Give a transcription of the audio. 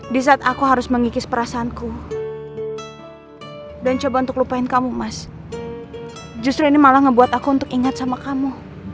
di saat aku harus mengikis perasaanku dan coba untuk lupain kamu mas justru ini malah ngebuat aku untuk ingat sama kamu